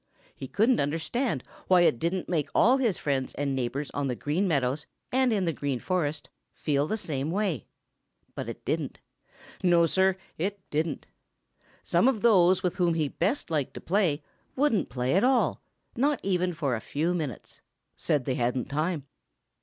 He couldn't understand why it didn't make all his friends and neighbors on the Green Meadows and in the Green Forest feel the same way. But it didn't. No, Sir, it didn't. Some of those with whom he best liked to play wouldn't play at all, not even for a few minutes; said they hadn't time.